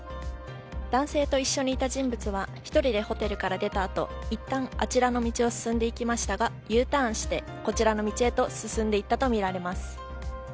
男性と一緒にいた人物は１人でホテルから出たあと、一旦あちらの道を進んでいきましたが、Ｕターンしてこちらの道へと進んでいったとみられます。